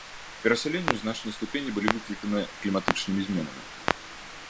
Перасяленні ў значнай ступені былі выкліканы кліматычнымі зменамі.